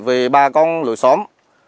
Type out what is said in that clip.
về ba con lối xóm